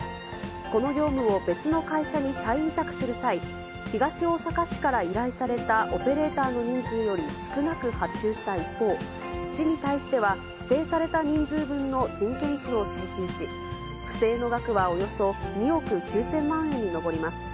この業務を別の会社に再委託する際、東大阪市から依頼されたオペレーターの人数より少なく発注した一方、市に対しては、指定された人数分の人件費を請求し、不正の額はおよそ２億９０００万円に上ります。